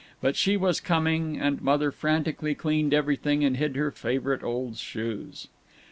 But she was coming, and Mother frantically cleaned everything and hid her favorite old shoes.